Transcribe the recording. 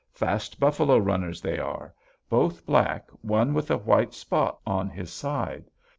Fast buffalo runners they are; both black; one with a white spot on his side.